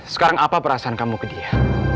sekarang apa perasaan kamu ke dia